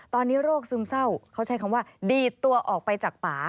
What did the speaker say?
ตอนนี้โรคซึมเศร้าเขาใช้คำว่าดีดตัวออกไปจากป่า